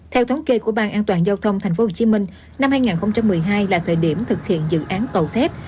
theo thống kê của ban an toàn giao thông tp hcm năm hai nghìn một mươi hai là thời điểm thực hiện dự án cầu thép